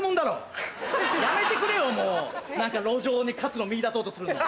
やめてくれよもう路上に活路見いだそうとするの。